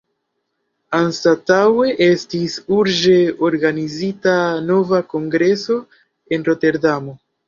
Anstataŭe estis urĝe organizita nova kongreso en Roterdamo.